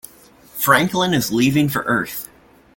Franklin is leaving for Earth.